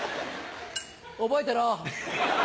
覚えてろ。